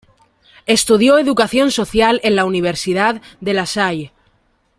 Estudió Educación Social en la Universidad de La Salle.